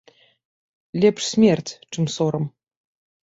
Лепш смерць чым сорам.